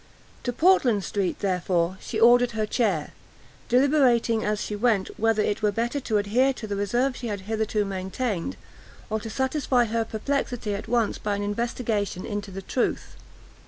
To Portland street, therefore, she ordered her chair, deliberating as she went whether it were better to adhere to the reserve she had hitherto maintained, or to satisfy her perplexity at once by an investigation into the truth.